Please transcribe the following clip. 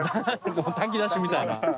炊き出しみたいな。